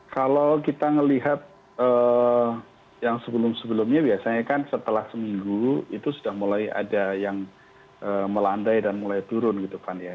kalau kita melihat yang sebelum sebelumnya biasanya kan setelah seminggu itu sudah mulai ada yang melandai dan mulai turun gitu kan ya